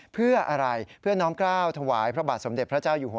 เพื่ออะไรเพื่อน้อมกล้าวถวายพระบาทสมเด็จพระเจ้าอยู่หัว